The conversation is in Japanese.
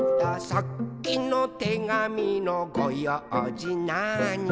「さっきのてがみのごようじなーに」